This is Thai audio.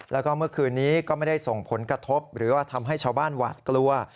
แล้วก็เมื่อคืนนี้ก็ไม่ได้ส่งผลกระทบหรือว่าทำให้ชาวบ้านหวาดกลัว